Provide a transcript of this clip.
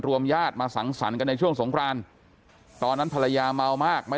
ญาติมาสังสรรค์กันในช่วงสงครานตอนนั้นภรรยาเมามากไม่